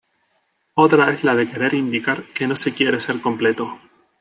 Otra es la de querer indicar que no se quiere ser completo.